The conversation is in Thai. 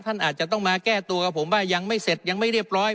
ท่านอาจจะต้องมาแก้ตัวกับผมว่ายังไม่เสร็จยังไม่เรียบร้อย